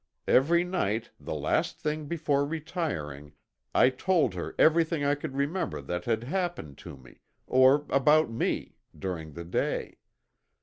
Every night, the last thing before retiring, I told her everything I could remember that had happened to me, or about me, during the day.